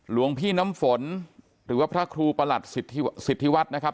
หลวงพี่น้ำฝนหรือว่าพระครูประหลัดสิทธิวัฒน์นะครับ